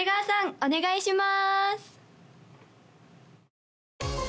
お願いします